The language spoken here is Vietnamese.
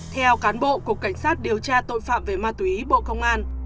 theo cán bộ cục cảnh sát điều tra tội phạm về ma túy bộ công an